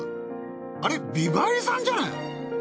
あれ美波里さんじゃない！？